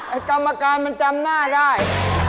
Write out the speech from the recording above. ไอ้กรรมการไหนทำหน้าได้